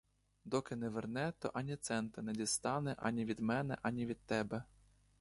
Доки не верне, то ані цента не дістане ані від мене, ані від тебе!